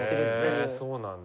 ヘえそうなんだ。